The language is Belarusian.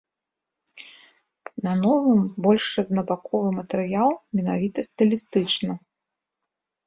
На новым больш рознабаковы матэрыял менавіта стылістычна.